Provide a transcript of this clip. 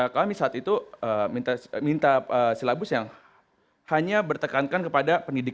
kami saat itu minta silabus yang hanya bertekankan kepada pendidikan